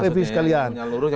revisinya sekalian menyeluruh